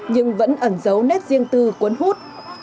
nhưng vẫn ẩn dấu nét riêng tư cuốn hút